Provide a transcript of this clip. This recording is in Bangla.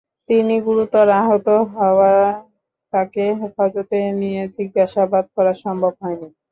তিনি গুরুতর আহত হওয়ায় তাঁকে হেফাজতে নিয়ে জিজ্ঞাসাবাদ করা সম্ভব হয়নি।